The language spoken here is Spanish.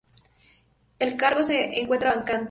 El cargo se encuentra vacante.